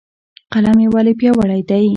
قلم ولې پیاوړی دی؟